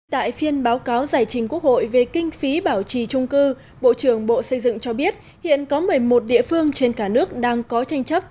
tại phiên báo cáo giải trình quốc hội về kinh phí bảo trì trung cư bộ trưởng bộ xây dựng cho biết hiện có một mươi một địa phương trên cả nước đang có tranh chấp